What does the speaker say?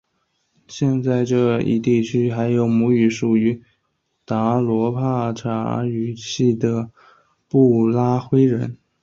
现在这一地区还有母语属于达罗毗荼语系的布拉灰人。